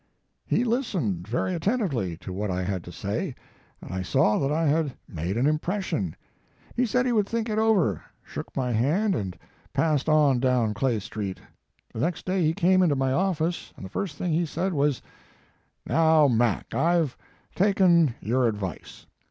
"He listened very attentively to what I had said, and I saw that I had made an impression. He said he would think it over, shook my hand and passed on down Clay Street. The next day he came into my office and the first thing he said was: Now, Mac, I ve taken your advice.